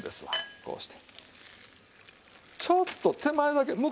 ちょっと手前だけ。